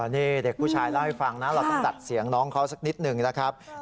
นี่เด็กผู้ชายเล่าให้ฟังนะเราต้องดัดเสียงน้องเขาสักนิดหนึ่งนะครับ